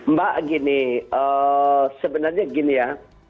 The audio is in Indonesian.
mbak gini sebenarnya gini ya